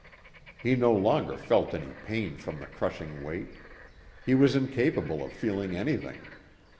He no longer felt any pain from the crushing weight. He was incapable of feeling anything.